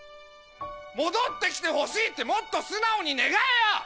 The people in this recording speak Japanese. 戻って来てほしいってもっと素直に願えよ！